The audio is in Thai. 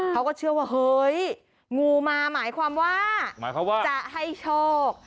เขาก็เชื่อว่าเฮ้ยงูมาหมายความว่าจะให้โชค